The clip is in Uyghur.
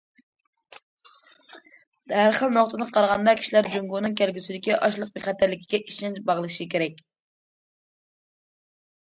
ھەر خىل نۇقتىدىن قارىغاندا، كىشىلەر جۇڭگونىڭ كەلگۈسىدىكى ئاشلىق بىخەتەرلىكىگە ئىشەنچ باغلىشى كېرەك.